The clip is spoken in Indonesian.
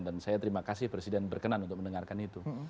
dan saya terima kasih presiden berkenan untuk mendengarkan itu